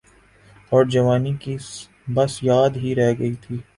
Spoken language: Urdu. اورجوانی کی بس یاد ہی رہ گئی تھی۔